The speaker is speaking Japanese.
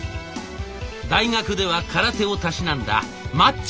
大学では空手をたしなんだマッチョなナイスガイ。